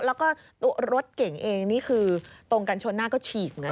แล้วก็ตัวรถเก่งเองนี่คือตรงกันชนหน้าก็ฉีกไง